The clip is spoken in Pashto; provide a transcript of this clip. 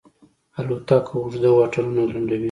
الوتکه اوږده واټنونه لنډوي.